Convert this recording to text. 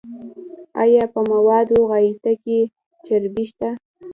ایا په موادو غایطه کې چربی شته؟